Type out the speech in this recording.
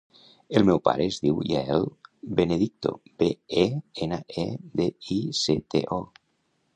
El meu pare es diu Yael Benedicto: be, e, ena, e, de, i, ce, te, o.